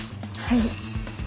はい。